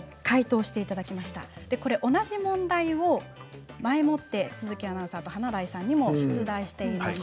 これ、同じ問題を前もって鈴木アナウンサーと華大さんにも出題しています。